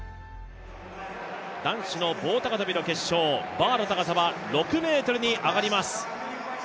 男子の棒高跳の決勝バーの高さは６ｍに上がります。